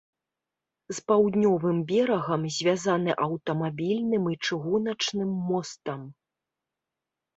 З паўднёвым берагам звязаны аўтамабільным і чыгуначным мостам.